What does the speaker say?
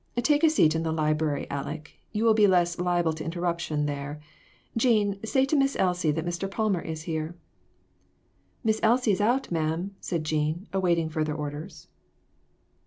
"Take a seat in the library, Aleck; you will be less liable to interruption there ; Jean, say to Miss Elsie that Mr. Palmer is here." " Miss Elsie is out, ma'am," said Jean, awaiting further orders.